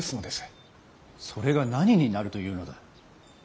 それが何になるというのだ。